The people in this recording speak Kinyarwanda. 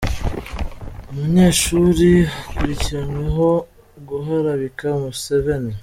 Umunyeshuri akurikiranweho guharabika Museveni